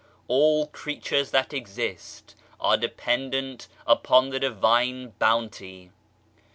All creatures that exist are dependent upon the Divine Bounty.